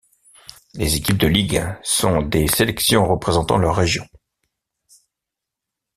Les équipes de ligue sont des sélections représentant leur région.